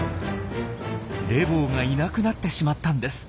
レボーがいなくなってしまったんです。